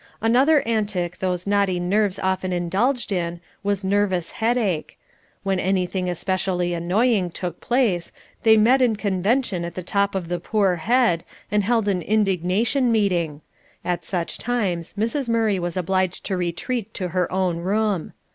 Another antic those naughty nerves often indulged in, was nervous headache; when anything specially annoying took place, they met in convention in the top of the poor head, and held an indignation meeting; at such times Mrs. Murray was obliged to retreat to her own room.